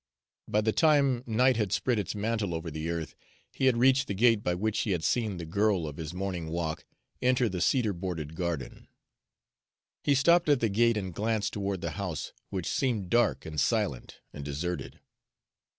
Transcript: By the time night had spread its mantle over the earth, he had reached the gate by which he had seen the girl of his morning walk enter the cedar bordered garden. He stopped at the gate and glanced toward the house, which seemed dark and silent and deserted.